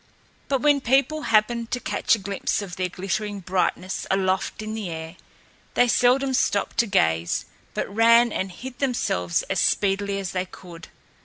But when people happened to catch a glimpse of their glittering brightness, aloft in the air, they seldom stopped to gaze, but ran and hid themselves as speedily as they could.